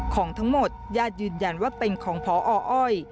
ของทั้งหมดญาติยืนยันว่าเป็นของพออ้อย